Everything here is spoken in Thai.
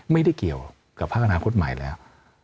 ไม่ได้เกี่ยวกับภาคอนาคตใหม่แล้ว